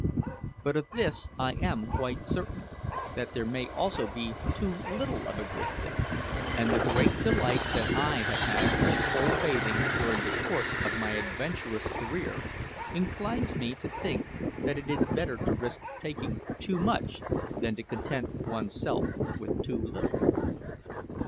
But of this I am quite certain, that there may also be too little of a good thing; and the great delight I have had in cold bathing during the course of my adventurous career inclines me to think that it is better to risk taking too much than to content one's self with too little.